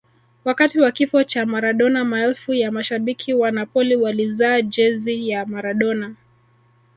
wakati wa kifo cha maradona maelfu ya mashabiki wa napoli walizaa jezi ya maradona